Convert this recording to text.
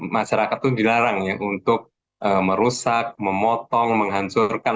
masyarakat tuh dilarang ya untuk merusak memotong menghancurkan